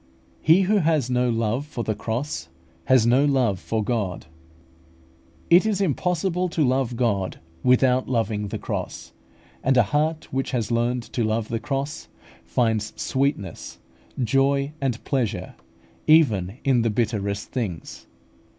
He who has no love for the cross has no love for God (see Matt. xvi. 24). It is impossible to love God without loving the cross; and a heart which has learned to love the cross finds sweetness, joy, and pleasure even in the bitterest things.